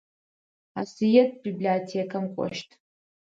Асыет библиотекэм кӏощт.